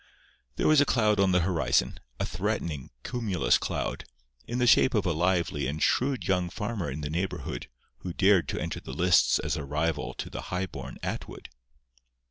There was a cloud on the horizon, a threatening, cumulus cloud, in the shape of a lively and shrewd young farmer in the neighbourhood who dared to enter the lists as a rival to the high born Atwood.